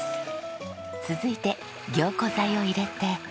続いて凝固剤を入れて。